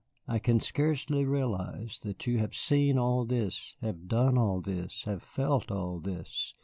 I can scarcely realize that you have seen all this, have done all this, have felt all this.